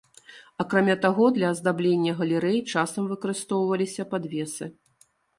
Акрамя таго, для аздаблення галерэй часам выкарыстоўваліся падвесы.